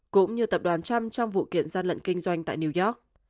cũng như tập đoàn trump trong vụ kiện gian lận kinh doanh tại new york